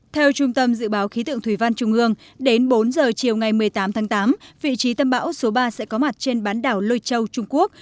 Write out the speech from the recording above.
theo trung tâm dự báo khí tượng thủy văn trung ương đến bốn giờ chiều ngày một mươi tám tháng tám vị trí tâm bão số ba sẽ có mặt trên bán đảo lôi châu trung quốc